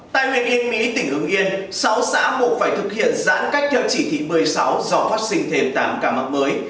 tại huyện yên mỹ tỉnh hương yên sáu xã buộc phải thực hiện giãn cách theo chỉ thị một mươi sáu do phát sinh thêm tám ca mắc mới